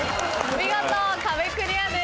見事壁クリアです。